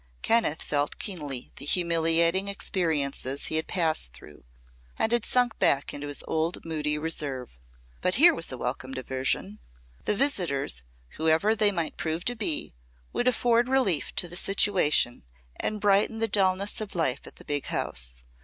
Kenneth felt keenly the humiliating experiences he had passed through, and had sunk back into his old moody reserve. But here was a welcome diversion. The visitors, whoever they might prove to be, would afford relief to the situation and brighten the dullness of life at the big house.